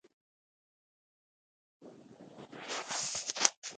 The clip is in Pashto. د پیرودونکي قناعت د هر تجارت روح دی.